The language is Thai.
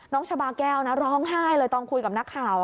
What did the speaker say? ชาบาแก้วนะร้องไห้เลยตอนคุยกับนักข่าว